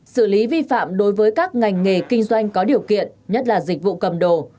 xử lý vi phạm đối với các ngành nghề kinh doanh có điều kiện nhất là dịch vụ cầm đồ